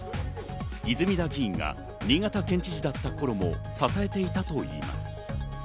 泉田議員が新潟県知事だった頃も支えていたといいます。